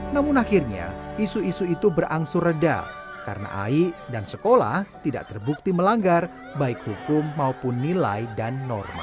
namun akhirnya isu isu itu berangsur reda karena ai dan sekolah tidak terbukti melanggar baik hukum maupun nilai dan norma